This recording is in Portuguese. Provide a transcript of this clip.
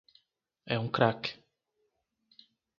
É um crack.